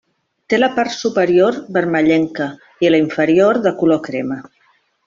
Té la part superior vermellenca i la inferior de color crema.